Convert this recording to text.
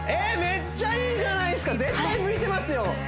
めっちゃいいじゃないっすか絶対向いてますよ！